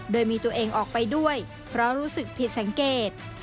โดยมีตัวเองออกไปด้วยเพราะรู้สึกผิดสังเกต